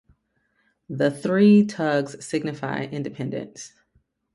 The three tugs signify independence.